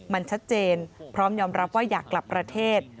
มันชัดเจนพร้อมยอมรับว่าอยากกลับประเทศ